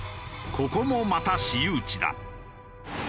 ここもまた私有地だ。